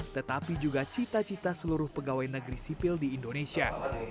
tetapi juga cita cita seluruh pegawai negeri sipil di indonesia